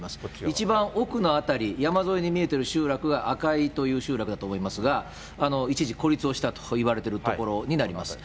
一番奥の辺り、山沿いに見えている集落があかいという集落だと思いますが、一時孤立をしたといわれている所になります。